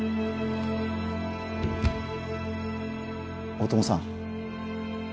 大友さん